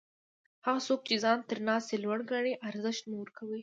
هغه څوک چي ځان تر تاسي لوړ ګڼي؛ ارزښت مه ورکوئ!